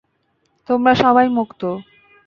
তোমরা সবাই মুক্ত!